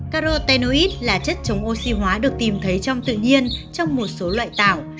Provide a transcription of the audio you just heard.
carotenoid là chất chống oxy hóa được tìm thấy trong tự nhiên trong một số loại tảo